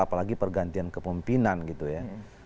apalagi pergantian kepemimpinan gitu ya